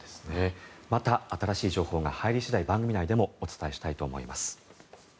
また新しい情報が入り次第番組内でもお伝えしたいと思います。